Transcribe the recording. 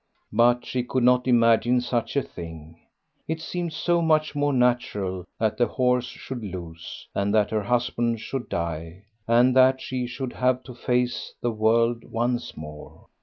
But she could not imagine such a thing; it seemed so much more natural that the horse should lose, and that her husband should die, and that she should have to face the world once more.